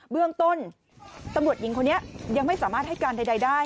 เบื้องต้นตำรวจหญิงคนนี้ยังไม่สามารถให้การใดได้